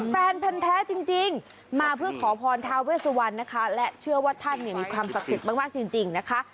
แฟนพันธ์แท้จริงมาเพื่อขอพรทาเวสวันนะคะและเชื่อว่าท่านเนี่ยมีความศักดิ์สิทธิ์มากจริงนะคะ